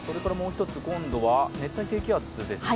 今度は熱帯低気圧ですか。